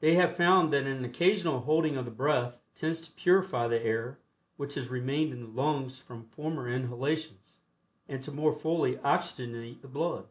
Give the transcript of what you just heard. They have found that an occasional holding of the breath tends to purify the air which has remained in the lungs from former inhalations, and to more fully oxygenate the blood.